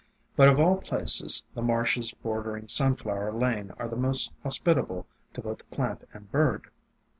But of all places, the marshes bordering Sunflower Lane are the most hospitable to both plant and bird.